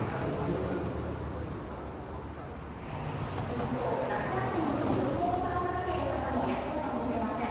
一方、夏休みに旅行を考えている方もいらっしゃるかもしれません。